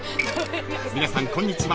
［皆さんこんにちは